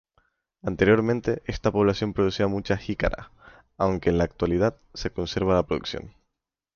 Anteriormente esta población producía mucha jícara aunque en actualidad se conserva la producción.